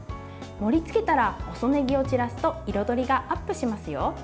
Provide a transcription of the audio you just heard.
盛りつけたら細ねぎを散らすと彩りがアップしますよ。